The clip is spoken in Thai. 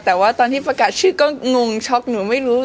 แต่ว่าตอนที่ประกาศชื่อก็งงช็อกหนูไม่รู้